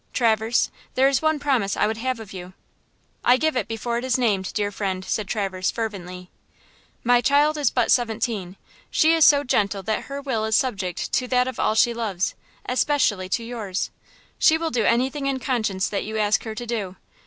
Traverse, there is one promise I would have of you." "I give it before it is named, dear friend," said Traverse, fervently. "My child is but seventeen; she is so gentle that her will is subject to that of all she loves, especially to yours. She will do anything in conscience that you ask her to do.